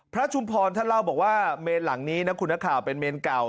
พระชุมภรรษท่านเล่าบอกว่าเมนด์หลังนี้เนอะคุณหน้าข่าวเป็นเมนด์กล่าว